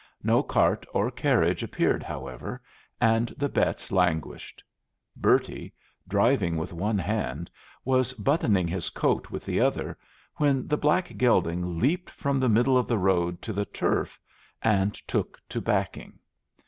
No cart or carriage appeared, however, and the bets languished. Bertie, driving with one hand, was buttoning his coat with the other, when the black gelding leaped from the middle of the road to the turf and took to backing.